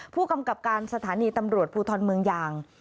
ผู้กำกับการสถานีตำรวจภูทรเมืองยาง